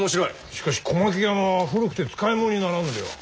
しかし小牧山は古くて使いものにならんのでは？